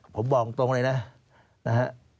ผมบอกตรงเลยนะนะฮะ